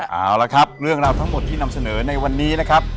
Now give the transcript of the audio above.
เอาละครับเรื่องราวทั้งหมดที่นำเสนอในวันนี้นะครับ